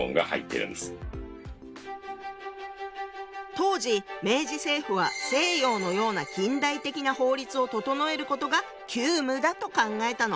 当時明治政府は西洋のような近代的な法律を整えることが急務だと考えたの。